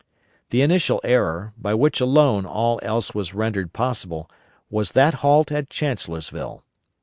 The initial error, by which alone all else was rendered possible, was that halt at Chancellorsville.